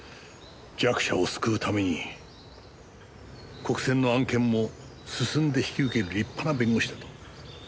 弱者を救うために国選の案件も進んで引き受ける立派な弁護士だと。